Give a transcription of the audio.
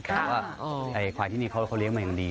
แต่ว่าไอ้ควายที่นี่เขาเลี้ยงมาอย่างดี